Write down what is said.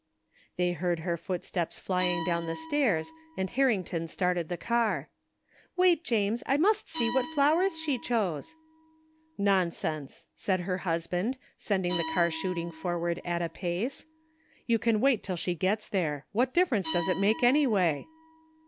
They heard her footsteps flying down the stairs and Harrington started the car. Wait, James, I must see what flowers she chose." Nonsense !" said her husband, sending the car shooting forward at a pace. " You can wait till she gets there. What difference does it make anyway